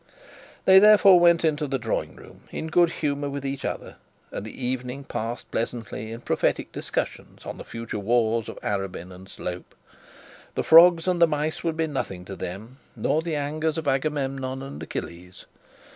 They therefore went into the drawing room in good humour with each other, and the evening passed pleasantly in prophetic discussion on the future wars of Arabin and Slope. The frogs had the mice would be nothing to them, nor the angers of Agamemnon and Achilles.